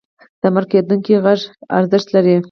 د مرکه کېدونکي غږ ارزښت لري.